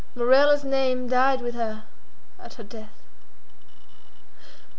Morella's name died with her at her death.